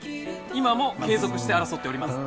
「今も継続して争っております」